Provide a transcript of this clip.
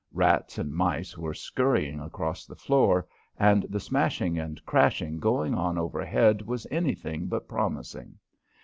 Rats and mice were scurrying across the floor, and the smashing and crashing going on overhead was anything but promising.